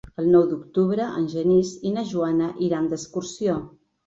El nou d'octubre en Genís i na Joana iran d'excursió.